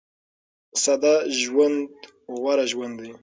ساده ژوند غوره ژوند دی.